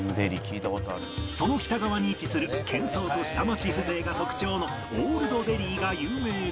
その北側に位置する喧騒と下町風情が特徴のオールドデリーが有名だが